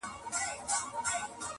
• د دښمن په ګټه بولم -